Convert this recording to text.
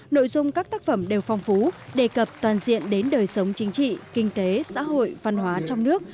nội dung các tác phẩm đều phong phú đề cập toàn diện đến đời sống chính trị kinh tế xã hội văn hóa trong nước